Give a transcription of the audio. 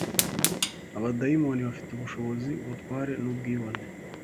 abadayimoni bafite ubushobozi, ubutware n’ubwibone,